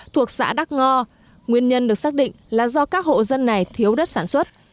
thuộc xã đắc ngo nguyên nhân được xác định là do các hộ dân này thiếu đất sản xuất